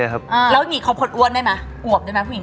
ก็ไม่เล็กครับ